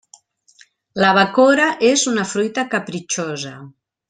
La bacora és una fruita capritxosa.